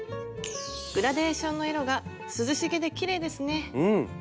グラデーションの色が涼しげできれいですね。